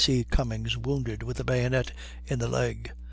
C. Cummings wounded with a bayonet in the leg.